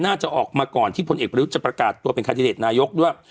น่าจะออกมาก่อนที่พลเอกประยุทธ์จะประกาศตัวเป็นคาดิเดตนายกด้วย